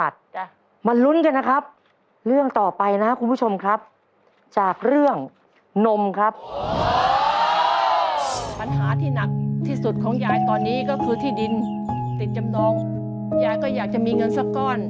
ติดจำนองยาก็อยากจะมีเงินสักก้อน